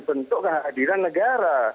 bentuk kehadiran negara